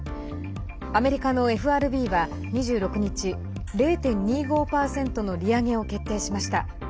アメリカのＦＲＢは２６日、０．２５％の利上げを決定しました。